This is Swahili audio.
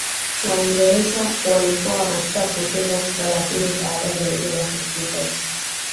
Waingereza walikuwa wanasita kuhusu Zanzibar lakini baada ya jaribio la Karl Peters